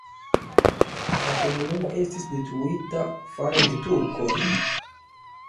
La komunumo estis detruita fare de turkoj.